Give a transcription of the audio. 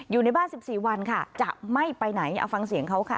อยู่ในบ้าน๑๔วันค่ะจะไม่ไปไหนเอาฟังเสียงเขาค่ะ